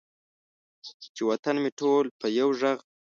چې وطن مې ټول په یو ږغ،